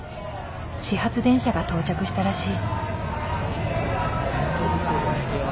始発電車が到着したらしい。